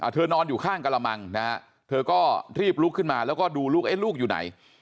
นอนอยู่ข้างกระมังนะฮะเธอก็รีบลุกขึ้นมาแล้วก็ดูลูกลูกอยู่ไหน